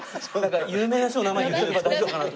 有名な人の名前言っとけば大丈夫かな。